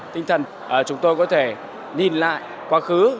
tinh thần chúng tôi có thể nhìn lại quá khứ